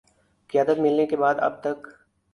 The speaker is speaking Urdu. قیادت ملنے کے بعد اب تک